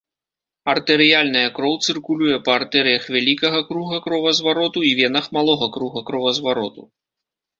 Артэрыяльная кроў цыркулюе па артэрыях вялікага круга кровазвароту і венах малога круга кровазвароту.